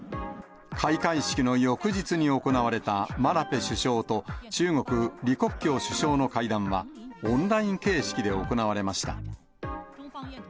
開会式の翌日に行われたマラペ首相と中国・李克強首相の会談はオンライン形式で行われました。